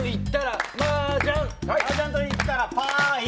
マージャンと言ったらパイ。